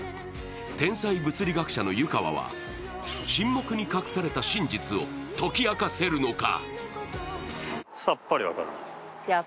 天才物理学者の湯川は、沈黙に隠された真実を説き明かせるのか。